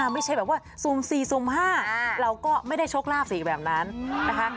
ไม่ใช่แบบว่าสุ่ม๔สุ่ม๕เราก็ไม่ได้โชคลาภสิแบบนั้นนะคะ